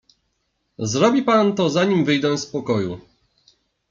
"Zrobi pan to zanim wyjdę z pokoju."